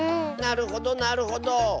なるほどなるほど。